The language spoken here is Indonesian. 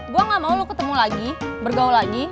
gue gak mau lo ketemu lagi bergaul lagi